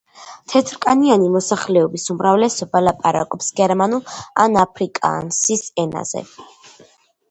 თეთრკანიანი მოსახლეობის უმრავლესობა ლაპარაკობს გერმანულ ან აფრიკაანსის ენაზე.